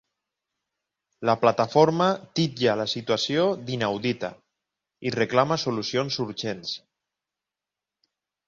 La plataforma titlla la situació ‘d’inaudita’ i reclama solucions urgents.